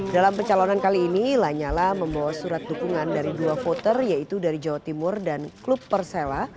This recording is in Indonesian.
dalam pencalonan kali ini lanyala membawa surat dukungan dari dua voter yaitu dari jawa timur dan klub persela